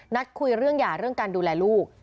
นัดคุยเรื่องหย่าเรื่องการดูแลลูก